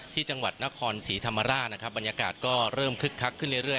ที่จังหวัดนครศรีธรรมราชนะครับบรรยากาศก็เริ่มคึกคักขึ้นเรื่อย